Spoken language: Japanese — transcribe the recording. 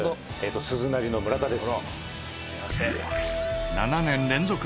鈴なりの村田です」